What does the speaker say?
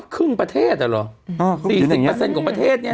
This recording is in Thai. ครึ่งประเทศหรอ๔๐ของประเทศนี้นะ